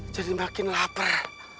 jadi makin lapar